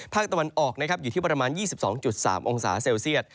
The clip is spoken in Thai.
ภาคตะวันออกนะครับอยู่ที่ประมาณ๒๒๓องศาเซลเซียต